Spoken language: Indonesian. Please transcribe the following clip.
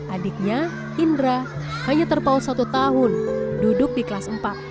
adiknya indra hanya terpau satu tahun duduk di kelas empat